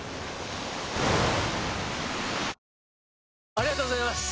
ありがとうございます！